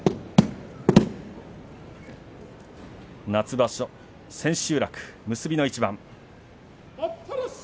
夏場所千秋楽、結びの一番。